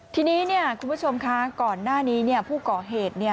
ทีนี้คุณผู้ชมคะก่อนหน้านี้ผู้ก่อเหตุ